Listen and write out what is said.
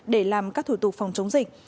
để làm các thủ tục phòng chống dịch